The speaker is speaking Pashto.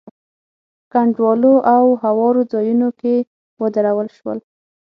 په کنډوالو او هوارو ځايونو کې ودرول شول.